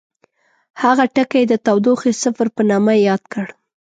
هغه ټکی یې د تودوخې صفر په نامه یاد کړ.